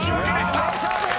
圧勝です。